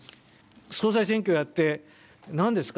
総裁選挙やって、なんですか？